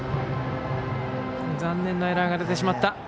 残念なエラーが出てしまった。